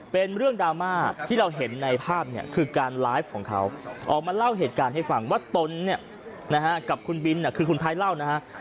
เป็นเรื่องดราม่าที่เราเห็นในภาพเนี่ยคือการไลฟ์ของเขาออกมาเล่าเหตุการณ์ให้ฟังว่าตนเนี่ยนะฮะกับคุณบินคือคุณไทยเล่านะฮะ